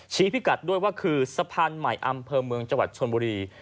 ชี้พิกัดด้วยก็คือสะพานหมายอำเภอเมืองจัวระชวนบุรี